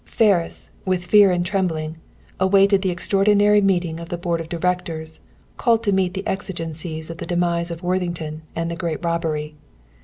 Ferris, with fear and trembling, awaited the extraordinary meeting of the Board of Directors called to meet the exigencies of the demise of Worthington and the great robbery.